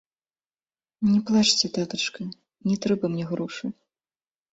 Не плачце, татачка, не трэба мне грошы!